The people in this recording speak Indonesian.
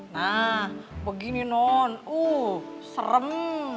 nah begini non u serem